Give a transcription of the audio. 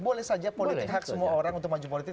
boleh saja politik hak semua orang untuk maju politik